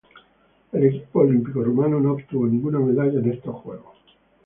El equipo olímpico rumano no obtuvo ninguna medalla en estos Juegos.